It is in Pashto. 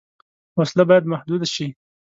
وسله باید محدود شي